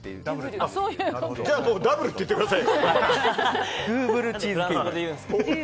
じゃあダブルって言ってくださいよ。